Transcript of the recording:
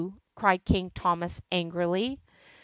cried King Thomas angrily.